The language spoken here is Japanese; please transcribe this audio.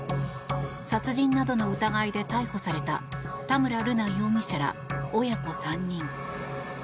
殺人などの疑いで逮捕された田村瑠奈容疑者ら親子３人。